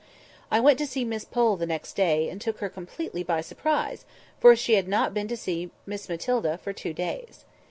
I went to see Miss Pole the next day, and took her completely by surprise, for she had not been to see Miss Matilda for two days.